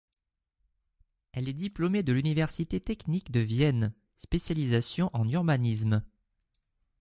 Elle est diplômée de l'université technique de Vienne, spécialisation en urbanisme.